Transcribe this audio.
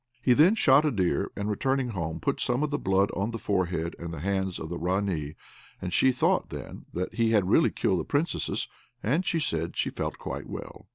He then shot a deer, and returning home, put some of its blood on the forehead and hands of the Ranee, and she thought then that he had really killed the Princesses, and said she felt quite well.